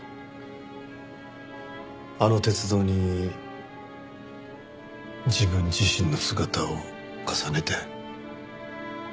あの鉄道に自分自身の姿を重ねて？